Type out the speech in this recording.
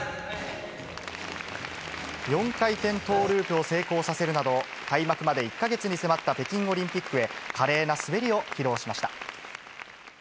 ４回転トーループを成功させるなど、開幕まで１か月に迫った北京オリンピックへ、華麗な滑りを披露しました。